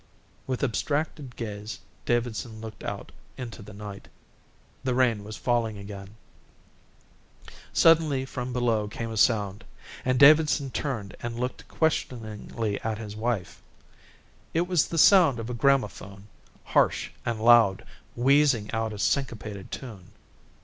With abstracted gaze Davidson looked out into the night. The rain was falling again. Suddenly from below came a sound, and Davidson turned and looked questioningly at his wife. It was the sound of a gramophone, harsh and loud, wheezing out a syncopated tune.